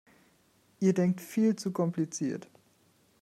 Ihr denkt viel zu kompliziert!